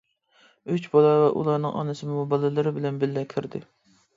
ئۈچ بالا ۋە ئۇلارنىڭ ئانىسىمۇ بالىلىرى بىلەن بىللە كىردى.